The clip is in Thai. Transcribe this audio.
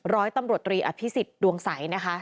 ร้อยตำรวจรีอภิษฐ์ดวงสัยนะครับ